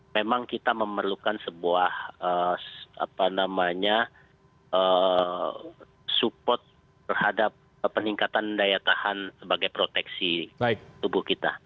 memang kita memerlukan sebuah support terhadap peningkatan daya tahan sebagai proteksi tubuh kita